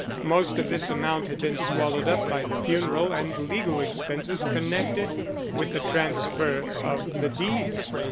Most of this amount had been swallowed up by the funeral and legal expenses connected with the transfer of the deeds.